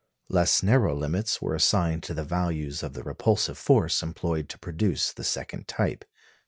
Less narrow limits were assigned to the values of the repulsive force employed to produce the second type.